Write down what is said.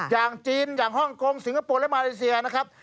อย่างจีนอย่างฮ่องกงสิงคโปร์และมาเลเซียนะครับ